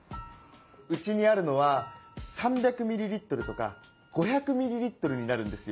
うちにあるのは３００ミリリットルとか５００ミリリットルになるんですよ。